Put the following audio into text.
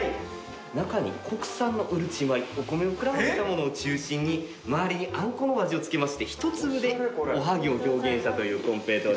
中に国産のうるち米お米を膨らませたものを中心に周りにあんこのお味を付けまして一粒でおはぎを表現したというコンペイトーです。